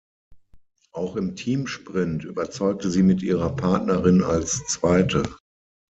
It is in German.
Auch im Teamsprint überzeugte sie mit ihrer Partnerin als Zweite.